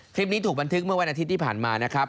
คลิปนี้ถูกบันทึกเมื่อวันอาทิตย์ที่ผ่านมานะครับ